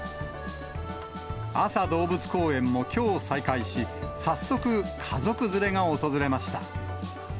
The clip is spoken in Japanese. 安佐動物公園もきょう再開し、早速、家族連れが訪れました。